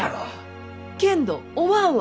けんどおまんは。